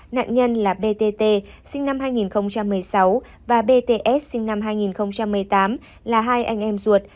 nạn nhân là btt sinh năm hai nghìn một mươi sáu và bts sinh năm hai nghìn một mươi tám là hai anh em ruột